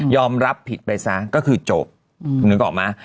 ยอมรับผิดไปซะก็คือจบนึกออกมั้ย